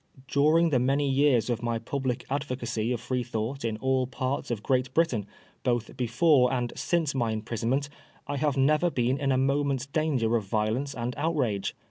During the many years of my public advocacy of Freethought in all parts of Great Britain, both before and since my imprisonment, I have never been in a moment's danger of violence and outrage.